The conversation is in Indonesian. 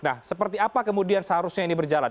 nah seperti apa kemudian seharusnya ini berjalan